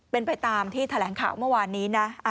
เป็นไปตามที่แถลงข่าวเมื่อวานนี้นะ